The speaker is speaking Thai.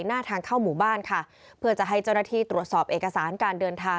หน้าทางเข้าหมู่บ้านค่ะเพื่อจะให้เจ้าหน้าที่ตรวจสอบเอกสารการเดินทาง